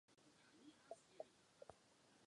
Válka skončila a Donald se vrátil zpět k herectví.